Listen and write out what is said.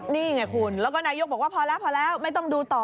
นี่ไงคุณแล้วก็นายกบอกว่าพอแล้วพอแล้วไม่ต้องดูต่อ